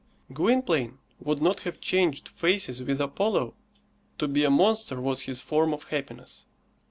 Gwynplaine would not have changed faces with Apollo. To be a monster was his form of happiness.